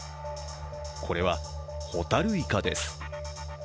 これは、ホタルイカです。